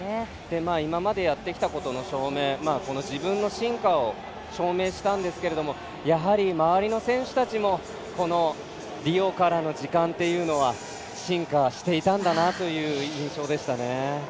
今までやってきたことの証明、自分の進化を証明したんですけれどもやはり、周りの選手たちもこのリオからの時間というのは進化していたんだなという印象でしたね。